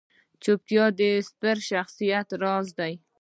چوپتیا، د ستر شخصیت راز دی.